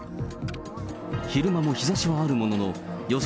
昼間も日ざしはあるものの、予想